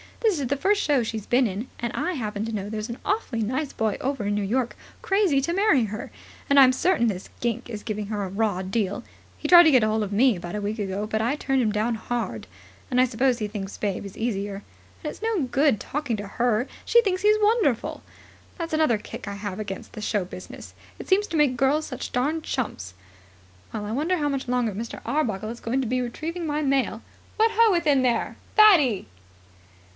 This is the first show she's been in. And I happen to know there's an awfully nice boy over in New York crazy to marry her. And I'm certain this gink is giving her a raw deal. He tried to get hold of me about a week ago, but I turned him down hard; and I suppose he thinks Babe is easier. And it's no good talking to her; she thinks he's wonderful. That's another kick I have against the show business. It seems to make girls such darned chumps. Well, I wonder how much longer Mr. Arbuckle is going to be retrieving my mail. What ho, within there, Fatty!"